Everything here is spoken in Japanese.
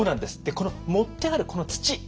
この盛ってあるこの土。